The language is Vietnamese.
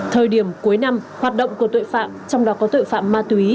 thời điểm cuối năm hoạt động của tội phạm trong đó có tội phạm ma túy